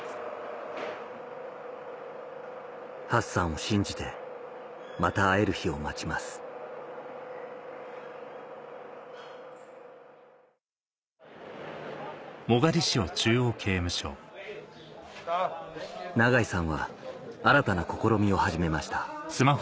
ハッサンを信じてまた会える日を待ちます永井さんは新たな試みを始めました